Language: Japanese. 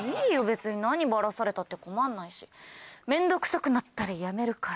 別に何バラされたって困んないし面倒くさくなったらやめるから。